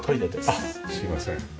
あっすいません。